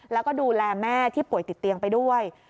แล้วก็ดูแลแม่ที่ป่วยติดเตียงไปด้วย